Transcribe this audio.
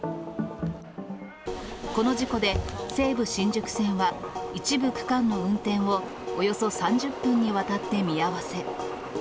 この事故で、西武新宿線は一部区間の運転を、およそ３０分にわたって見合わせ。